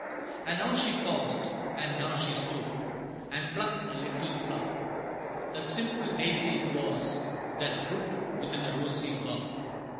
And now she paused, and now she stooped, And plucked a little flower A simple daisy 'twas, that drooped Within a rosy bower.